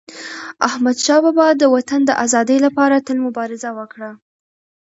احمدشاه بابا د وطن د ازادی لپاره تل مبارزه وکړه.